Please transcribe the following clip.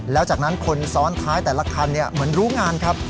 แล้วจากนั้นคนซ้อนท้ายแต่ละคันเหมือนรู้งานครับ